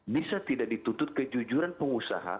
bisa tidak ditutup kejujuran pengusaha